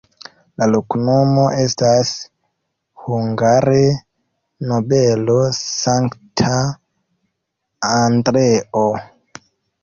La loknomo estas hungare: nobelo-Sankta Andreo.